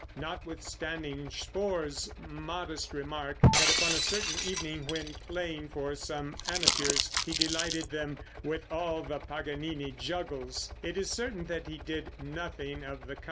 Notwithstanding Spohr's modest remark that upon a certain evening when playing for some amateurs he delighted them "with all the Paganini juggles," it is certain that he did nothing of the kind.